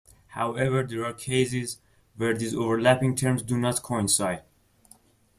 However, there are cases where these overlapping terms do not coincide.